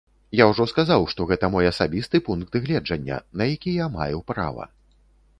Я ўжо сказаў, што гэта мой асабісты пункт гледжання, на які я маю права.